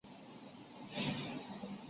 若有其他不错的也欢迎推荐